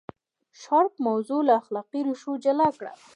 شارپ موضوع له اخلاقي ریښو جلا کړه.